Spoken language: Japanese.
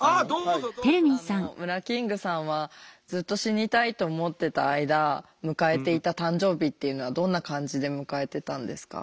あのムラキングさんはずっと死にたいと思ってた間迎えていた誕生日っていうのはどんな感じで迎えてたんですか？